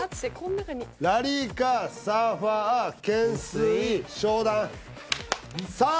ラリーカーサーファー懸垂商談さあ